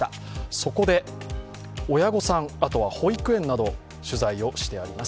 そこで、親御さん、あとは保育園など取材してあります。